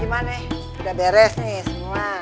gimana udah beres nih semua